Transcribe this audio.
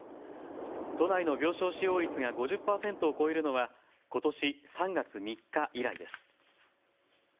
都内の病床使用率が５０％を超えるのはことし３月３日以来です。